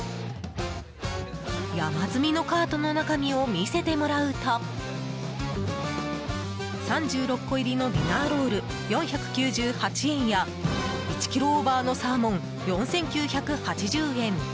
山積みのカートの中身を見せてもらうと３６個入りのディナーロール４９８円や１ｋｇオーバーのサーモン４９８０円。